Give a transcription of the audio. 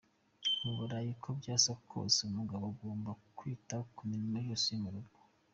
Mu Burayi uko byasa kose umugabo agomba kwita ku mirimo yose yo mu rugo.